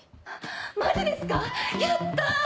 マジですか⁉やった！